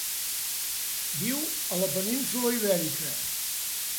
Viu a la península Ibèrica.